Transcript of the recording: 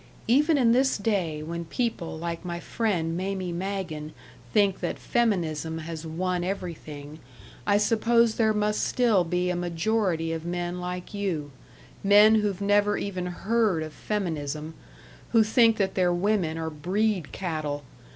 Even in this day when people like my friend Mamie Magen think that feminism has won everything, I suppose there must still be a majority of men like you men who've never even heard of feminism, who think that their women are breed cattle.